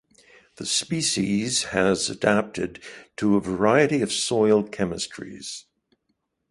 The species has adapted to a variety of soil chemistries.